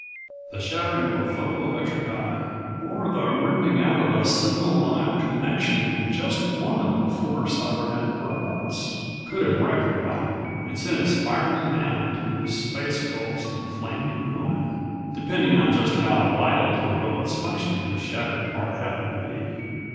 The shattering of a photo electric eye or the ripping out of a single live connection in just one of the four cybernetic robots could have wrecked the rocket, and sent it spiraling down through the space gulfs in flaming ruin, depending on just how vital to the robot's functioning the shattered part happened to be.